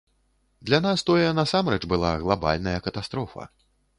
Для нас тое насамрэч была глабальная катастрофа.